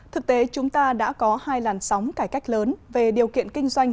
thực tế chúng ta đã có hai làn sóng cải cách lớn về điều kiện kinh doanh